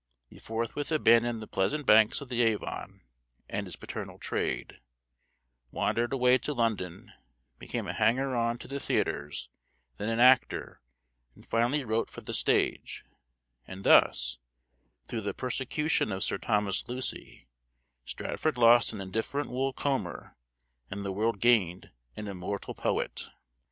He forthwith abandoned the pleasant banks of the Avon and his paternal trade; wandered away to London; became a hanger on to the theatres; then an actor; and finally wrote for the stage; and thus, through the persecution of Sir Thomas Lucy, Stratford lost an indifferent wool comber and the world gained an immortal poet.